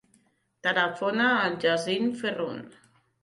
Telefona al Yassine Ferron.